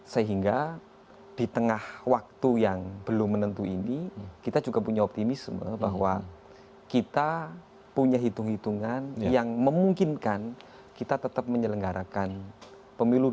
sehingga di tengah waktu yang belum menentu ini kita juga punya optimisme bahwa kita punya hitung hitungan yang memungkinkan kita tetap menyelenggarakan pemilu dua ribu dua puluh